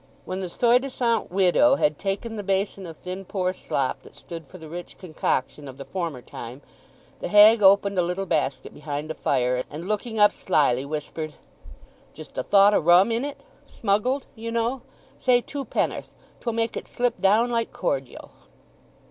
When the soi disant widow had taken the basin of thin poor slop that stood for the rich concoction of the former time, the hag opened a little basket behind the fire, and looking up slily, whispered, "Just a thought o' rum in it?—smuggled, you know—say two penn'orth—'twill make it slip down like cordial!"